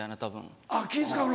あっ気ぃ使うの。